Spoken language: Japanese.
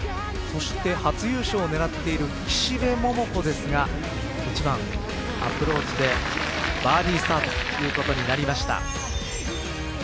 そして初優勝を狙っている岸部桃子ですが１番アプローチでバーディースタートということになりました。